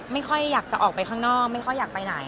ไม่ค่อยอยากจะออกไปข้างนอกไม่ค่อยอยากไปไหน